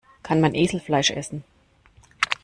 Kann man Eselfleisch essen?